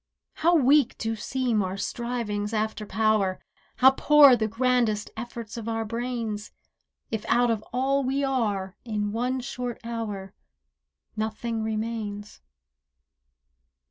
How weak do seem our strivings after power, How poor the grandest efforts of our brains, If out of all we are, in one short hour Nothing remains.